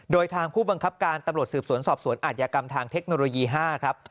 โดยทางผู้บังคับการตำรวจสืบสวนสอบสวนอาจยากรรมทางเทคโนโลยี๕ครับ